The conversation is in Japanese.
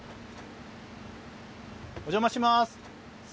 お邪魔します。